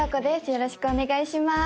よろしくお願いします